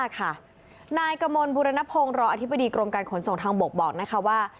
นายกมลบุรณพงศ์รองอธิบดีกรมการขนส่งทางบกบอกนะคะว่า